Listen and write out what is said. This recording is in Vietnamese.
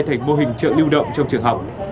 thành mô hình chợ lưu động trong trường học